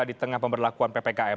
di tengah pemberlakuan ppkm